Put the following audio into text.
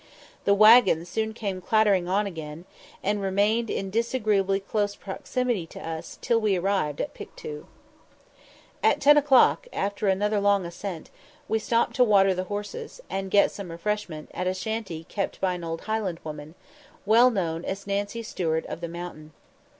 The waggon soon came clattering on again, and remained in disagreeably close proximity to us till we arrived at Pictou. At ten o'clock, after another long ascent, we stopped to water the horses, and get some refreshment, at a shanty kept by an old Highland woman, well known as "_Nancy Stuart of the Mountain.